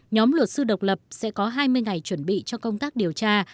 nhóm luật sư độc lập sẽ có hai mươi ngày chuẩn bị cho công tác điều tra